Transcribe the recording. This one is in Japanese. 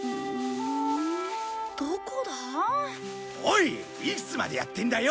いつまでやってんだよ。